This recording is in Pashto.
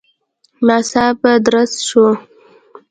ناڅاپه درز شو.